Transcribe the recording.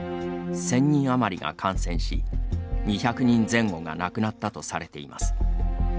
１０００人あまりが感染し２００人前後が亡くなったとされています。